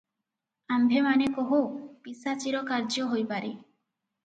ଆମ୍ଭେମାନେ କହୁ, ପିଶାଚୀର କାର୍ଯ୍ୟ ହୋଇପାରେ ।